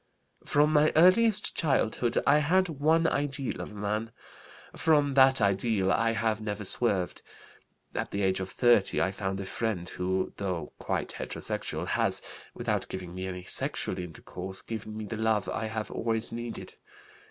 "From my earliest childhood I had one ideal of a man. From that ideal I have never swerved. At the age of 30 I found a friend who, though quite heterosexual, has, without giving me any sexual intercourse, given me the love I have always needed.